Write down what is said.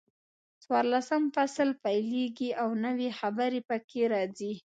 څلورلسم فصل پیلېږي او نوي خبرې پکې راځي.